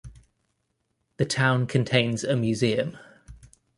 The town contains a museum.